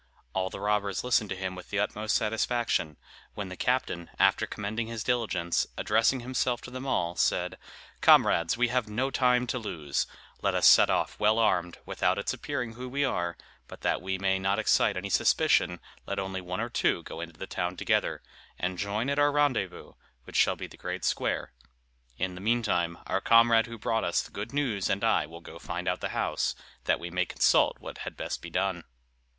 All the robbers listened to him with the utmost satisfaction; when the captain, after commending his diligence, addressing himself to them all, said, "Comrades, we have no time to lose: let us set off well armed, without its appearing who we are; but that we may not excite any suspicion, let only one or two go into the town together, and join at our rendezvous, which shall be the great square. In the meantime, our comrade who brought us the good news and I will go and find out the house, that we may consult what had best be done."